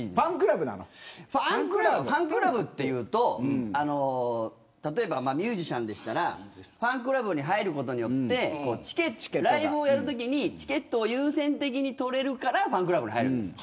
ファンクラブというと例えばミュージシャンならファンクラブに入ることでライブをやるときにチケットを優先的に取れるからファンクラブに入るんです。